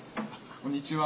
こんにちは。